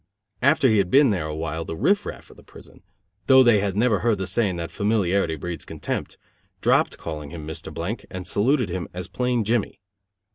After he had been there awhile the riff raff of of the prison, though they had never heard the saying that familiarity breeds contempt, dropped calling him Mr. McBlank, and saluted him as plain Jimmy.